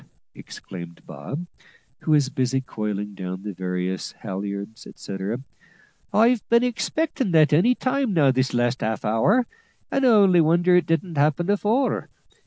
exclaimed Bob, who was busy coiling down the various halliards, etcetera, "I've been expectin' that any time this last half hour, and I only wonder it didn't happen afore.